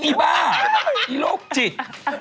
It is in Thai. ไอ่บ้าหลวงจิต